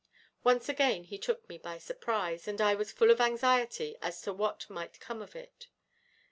Once again he took me by surprise, and I was full of anxiety as to what might come of it.